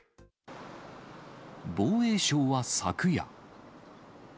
防衛省は昨夜。